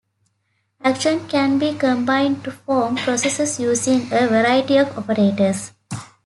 Actions can be combined to form "processes" using a variety of operators.